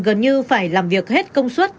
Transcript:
gần như phải làm việc hết công suất